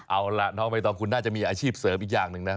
เอาล่ะน้องใบตองคุณน่าจะมีอาชีพเสริมอีกอย่างหนึ่งนะ